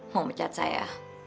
mau pecat saya